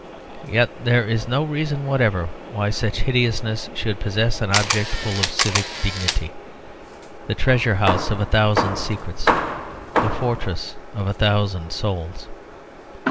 Yet there is no reason whatever why such hideousness should possess an object full of civic dignity, the treasure house of a thousand secrets, the fortress of a thousand souls.